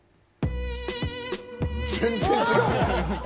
全然、違う。